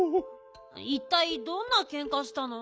いったいどんなけんかしたの？